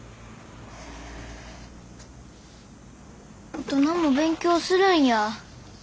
大人も勉強するんやぁ。